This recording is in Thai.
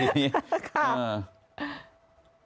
ครับ